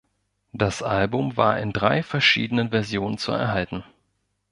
Das Album war in drei verschiedenen Versionen zu erhalten.